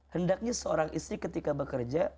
hendaknya seorang istri ketika bekerja